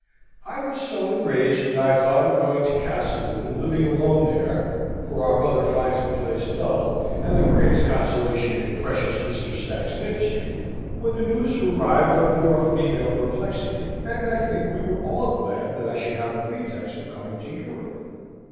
I was so enraged that I thought of going to Castlewood and living alone there, for our mother finds the place dull, and the greatest consolation in precious Mr. Stack's ministry, when the news arrived of your female perplexity, and I think we were all glad that I should have a pretext for coming to Europe."